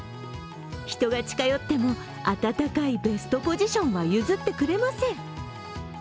人が近寄っても温かいベストポジションは譲ってくれません。